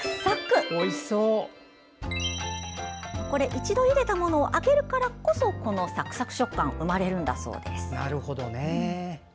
一度ゆでたものを揚げるからこそこのサクサク食感生まれるんだそうです。